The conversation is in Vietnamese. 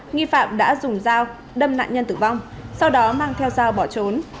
nghi phạm đã dùng dao đâm nạn nhân tử vong sau đó mang theo dao bỏ trốn